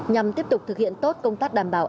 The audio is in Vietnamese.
nhằm tiếp tục thực hiện tốt công tác đảm bảo